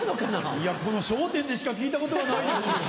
いやこの『笑点』でしか聞いたことがないでごんす。